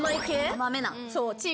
甘めな。